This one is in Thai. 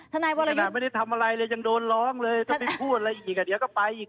ถ้านายวรยุทธ์เคยได้พบสมาชิกโครงครัวของเขาที่ไหน